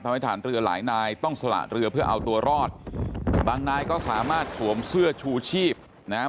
ทำให้ฐานเรือหลายนายต้องสละเรือเพื่อเอาตัวรอดบางนายก็สามารถสวมเสื้อชูชีพนะฮะ